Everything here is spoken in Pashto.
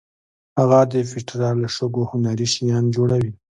هغه د پېټرا له شګو هنري شیان جوړول.